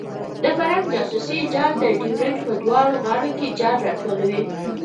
د فرنګ جاسوسي جال په ډیورنډ په دواړو غاړو کې جال راټولوي.